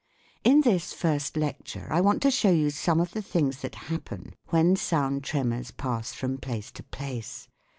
In this first lecture I want to show you some of the things that happen when sound tremors pass from place to place.